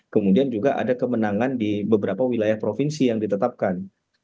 kemudian juga ada kemenangan di beberapa wilayah provinsi yang ditetapkan